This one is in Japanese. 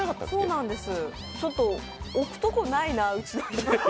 ちょっと、置くところないな、うちの家。